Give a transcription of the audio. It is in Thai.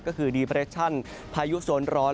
ก็คือดีเปรชั่นพายุโซนร้อน